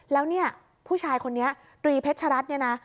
แล้วเนี่ยผู้ชายคนนี้ตรีเพชรัตน์เนี่ยนะ